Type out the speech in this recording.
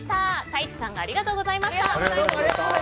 タイチさんありがとうございました。